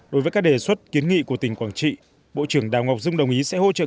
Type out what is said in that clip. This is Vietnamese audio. đối với các đề xuất kiến nghị của tỉnh quảng trị bộ trưởng đào ngọc dung đồng ý sẽ hỗ trợ